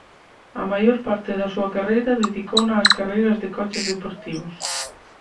A maior parte da súa carreira dedicouna ás carreiras de coches deportivos.